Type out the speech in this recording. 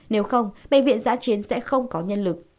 nếu không bệnh viện giã chiến sẽ không có nhân lực